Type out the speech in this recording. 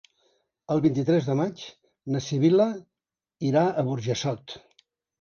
El vint-i-tres de maig na Sibil·la irà a Burjassot.